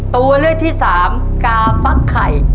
ตัวเลือกที่สามกาฟักไข่